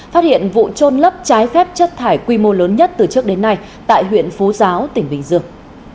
phát hiện vụ trôn lấp trái phép chất thải quy mô lớn nhất từ trước đến nay tại huyện phú giáo tỉnh bình dương